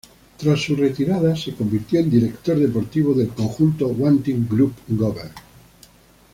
Tras su retirada se convirtió en director deportivo del conjunto Wanty-Groupe Gobert.